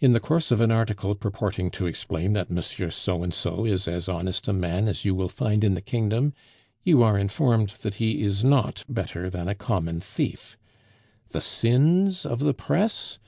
In the course of an article purporting to explain that Monsieur So and so is as honest a man as you will find in the kingdom, you are informed that he is not better than a common thief. The sins of the press?